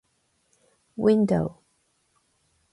window